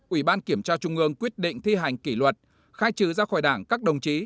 ủy ban kiểm tra trung ương quyết định thi hành kỷ luật khai trừ ra khỏi đảng các đồng chí